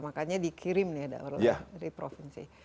makanya dikirim dari provinsi